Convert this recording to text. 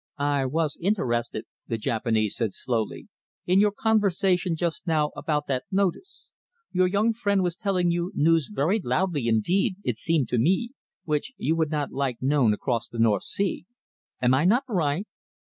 "I was interested," the Japanese said slowly, "in your conversation just now about that notice. Your young friend was telling you news very loudly indeed, it seemed to me, which you would not like known across the North Sea. Am I not right?"